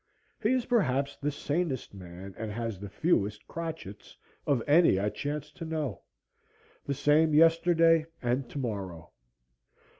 He is perhaps the sanest man and has the fewest crotchets of any I chance to know; the same yesterday and tomorrow.